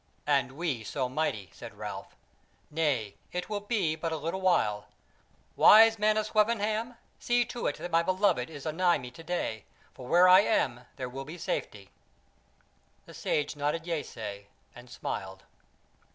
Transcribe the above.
"And we so mighty!" said Ralph. "Nay, it will be but a little while. Wise man of Swevenham, see to it that my beloved is anigh me to day, for where I am, there will be safety." The Sage nodded yeasay and smiled.